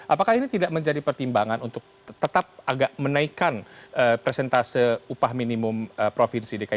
apakah ini tidak menjadi pertimbangan untuk tetap agak menaikkan presentase upah minimnya